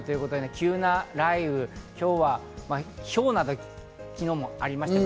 急な雷雨、昨日はひょうなどもありました。